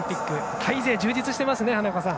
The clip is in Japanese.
タイ勢、充実してますね。